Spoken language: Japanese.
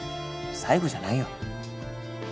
・最後じゃない